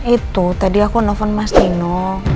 itu tadi aku nelfon sama nino